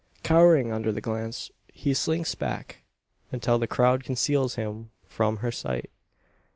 Cowering under the glance, he slinks back, until the crowd conceals him from her sight.